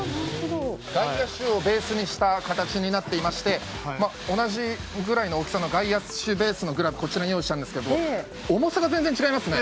外野手をベースにした形になっていまして同じぐらいの大きさの外野手ベースのグラブをこちらに用意したんですが重さが全然違いますね。